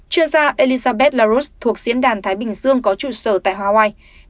chuyên gia elizabeth larouche thuộc diễn đàn thái bình dương có trụ sở tại hawaii